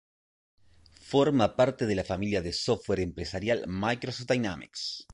Forma parte de la familia de software empresarial Microsoft Dynamics.